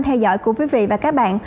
cảm ơn các bạn đã theo dõi